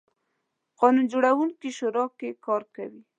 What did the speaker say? قانون جوړوونکې شورا کې کار کوي.